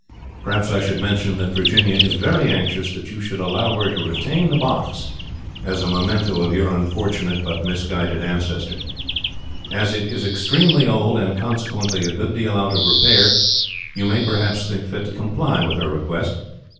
Perhaps I should mention that Virginia is very anxious that you should allow her to retain the box, as a memento of your unfortunate but misguided ancestor. As it is extremely old, and consequently a good deal out of repair, you may perhaps think fit to comply with her request.